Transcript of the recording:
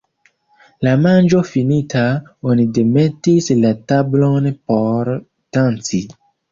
La manĝo finita, oni demetis la tablon por danci.